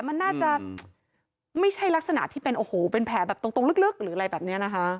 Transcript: มันน่าจะไม่ใช่ลักษณะที่เป็นโอ้โหเป็นแผลแบบตรงลึกหรืออะไรแบบนี้นะคะ